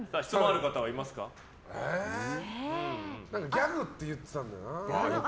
ギャグって言ってたんだよな。